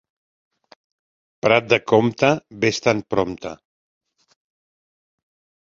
Prat de Comte, ves-te'n prompte.